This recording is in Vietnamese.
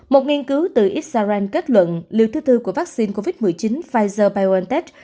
một nghiên cứu từ israel kết luận liều thứ tư của vaccine covid một mươi chín pfizer biontech